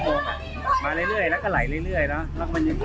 ก็เป็นอีกหนึ่งเหตุการณ์ที่เกิดขึ้นที่จังหวัดต่างปรากฏว่ามีการวนกันไปนะคะ